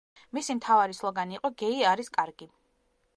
მისი მთავარი სლოგანი იყო „გეი არის კარგი“.